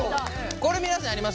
これ皆さんやりますか？